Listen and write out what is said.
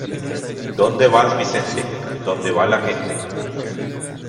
¿Dónde vas Vicente?, donde va la gente.